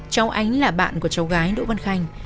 cháu ánh là bạn của cháu gái đỗ văn khanh